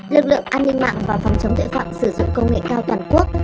lực lượng an ninh mạng và phòng chống tội phạm sử dụng công nghệ cao toàn quốc